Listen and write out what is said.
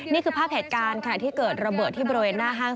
นี่คือภาพเหตุการณ์ขณะที่เกิดระเบิดที่บริเวณหน้าห้าง